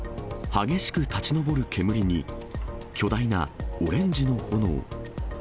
激しく立ち上る煙に、巨大なオレンジの炎。